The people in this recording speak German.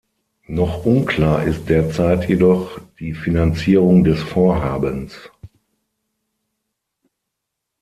Noch unklar ist derzeit jedoch die Finanzierung des Vorhabens.